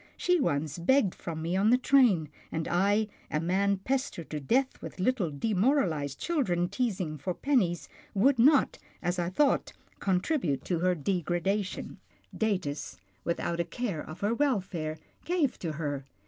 She once begged from me on the train, and I, a man pestered to death with little demoral ized children teasing for pennies, would not, as I thought, contribute to her degradation. Datus, HIS ONLY SON 79 without a care of her welfare, gave to her.